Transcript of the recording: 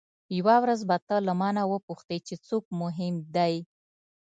یوه ورځ به ته له مانه وپوښتې چې څوک مهم دی.